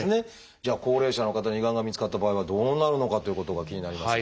じゃあ高齢者の方に胃がんが見つかった場合はどうなるのかということが気になりますが。